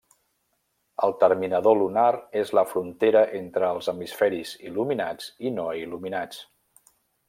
El terminador lunar és la frontera entre els hemisferis il·luminats i no il·luminats.